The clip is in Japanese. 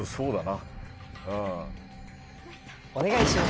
お願いします。